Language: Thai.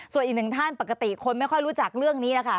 ส่วนอีกหนึ่งท่านปกติคนไม่ค่อยรู้จักเรื่องนี้แล้วค่ะ